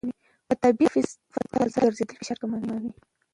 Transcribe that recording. په طبیعي فضا کې ګرځېدل فشار کموي.